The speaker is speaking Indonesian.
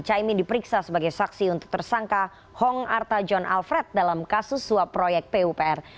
caimin diperiksa sebagai saksi untuk tersangka hong arta john alfred dalam kasus suap proyek pupr